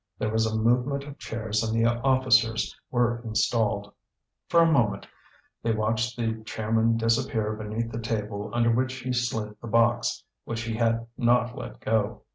There was a movement of chairs and the officers were installed; for a moment they watched the chairman disappear beneath the table under which he slid the box, which he had not let go.